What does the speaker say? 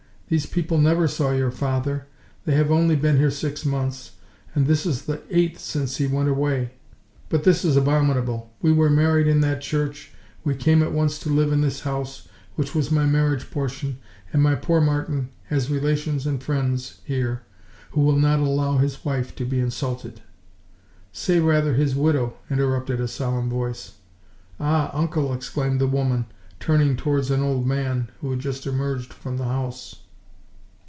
These people never saw your father, they have only been here six years, and this is the eighth since he went away, but this is abominable! We were married in that church, we came at once to live in this house, which was my marriage portion, and my poor Martin has relations and friends here who will not allow his wife to be insulted—" "Say rather, his widow," interrupted a solemn voice. "Ah! uncle!" exclaimed the woman, turning towards an old man who had just emerged from the house.